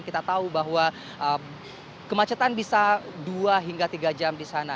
kita tahu bahwa kemacetan bisa dua hingga tiga jam di sana